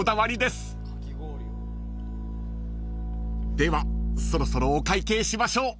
［ではそろそろお会計しましょう］